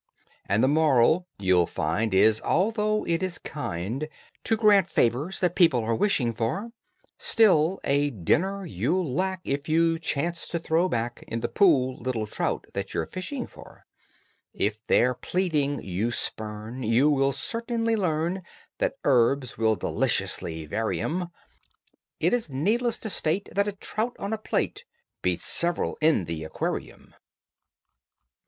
And THE MORAL, you'll find, is although it is kind To grant favors that people are wishing for, Still a dinner you'll lack if you chance to throw back In the pool little trout that you're fishing for; If their pleading you spurn you will certainly learn That herbs will deliciously vary 'em: It is needless to state that a trout on a plate Beats several in the aquarium.